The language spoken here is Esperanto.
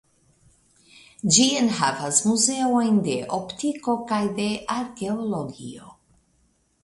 Ĝi enhavas muzeojn de optiko kaj de arkeologio.